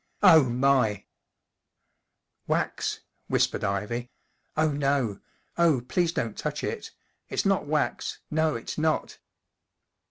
Oh, my !" 44 Wax!" whispered Ivy, 44 oh, no. Oh, please don't touch it. It’s not wax. No, it's not."